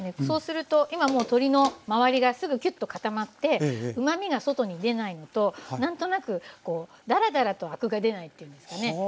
そうすると今もう鶏の周りがすぐキュッと固まってうまみが外に出ないのと何となくだらだらとアクが出ないっていうんですかね。